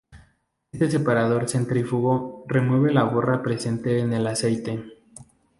Este separador centrífugo remueve la borra presente en el aceite.